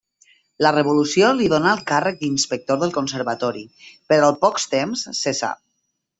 La Revolució li donà el càrrec d'inspector del Conservatori, però al pocs temps el cessà.